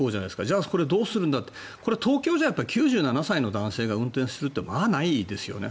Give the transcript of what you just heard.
じゃあこれをどうするんだって東京では９７歳の男性が運転するってないですよね。